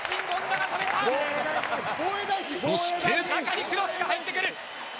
中にクロスが入ってくる。